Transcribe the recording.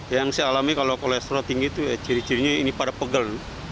yang saya alami kalau kolesterol tinggi itu ciri cirinya ini pada pegel